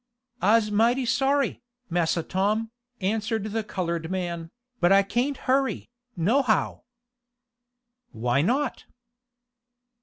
"I's mighty sorry, Massa Tom," answered the colored man, "but I cain't hurry, nohow." "Why not?"